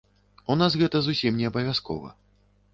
У нас гэта зусім неабавязкова.